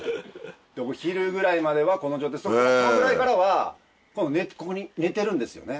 お昼ぐらいまではこの状態でここに寝てるんですよね。